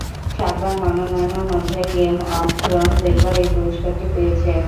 সাতবার মনোনয়নের মধ্যে "game of Thrones" একবার এই পুরস্কারটি পেয়েছে।